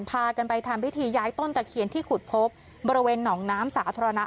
พากันไปทำพิธีย้ายต้นตะเคียนที่ขุดพบบริเวณหนองน้ำสาธารณะ